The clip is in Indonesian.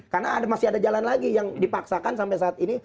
karena masih ada jalan lagi yang dipaksakan sampai saat ini